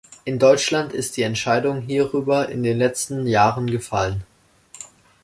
In Deutschland ist die Entscheidung hierüber in den letzten Jahren gefallen.